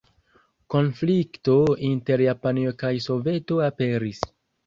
Konflikto inter Japanio kaj Soveto aperis.